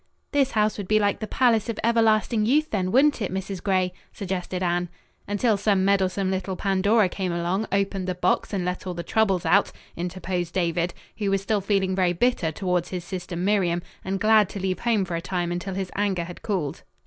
"This house would be like the palace of everlasting youth, then, wouldn't it, Mrs. Gray?" suggested Anne. "Until some meddlesome little Pandora came along, opened the box and let all the troubles out," interposed David, who was still feeling very bitter toward his sister Miriam, and glad to leave home for a time until his anger had cooled.